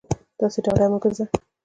داسې ډاډه مه گرځه